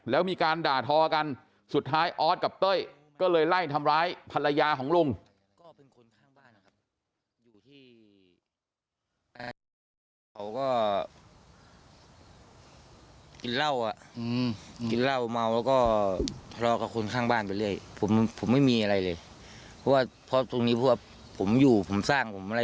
แล้วมีการด่าทอกันสุดท้ายออสกับเต้ยก็เลยไล่ทำร้ายภรรยาของลุง